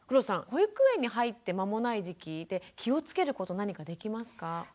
保育園に入って間もない時期で気をつけること何かできますか？